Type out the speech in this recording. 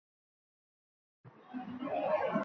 Bu dunyoning odami emas.